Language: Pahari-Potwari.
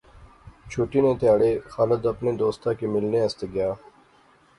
چُھٹی نے تہاڑے خالد اپنے دوستا کی ملنے آسطے گیا